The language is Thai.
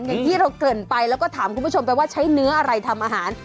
อย่างที่เราเกริ่นไปแล้วก็ถามคุณผู้ชมไปว่าใช้เนื้ออะไรทำอาหาร